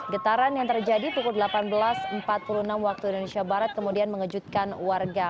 getaran yang terjadi pukul delapan belas empat puluh enam waktu indonesia barat kemudian mengejutkan warga